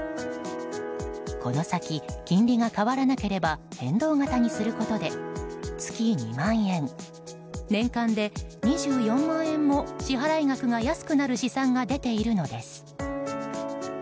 この先、金利が変わらなければ変動型にすることで月２万円、年間で２４万円も支払額が安くなる試算が出ているのです。